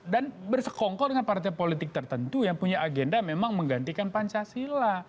dan bersekongkol dengan partai politik tertentu yang punya agenda memang menggantikan pancasila